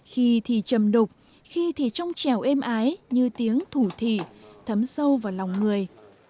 khi thì trầm đục khi thì trong trèo êm ái như tiếng thủ thị thấm sâu vào lòng người